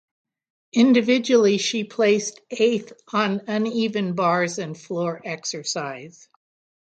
Individually she placed eighth on uneven bars and floor exercise.